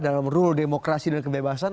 dalam rule demokrasi dan kebebasan